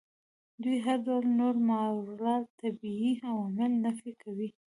دوی هر ډول نور ماورا الطبیعي عوامل نفي کوي.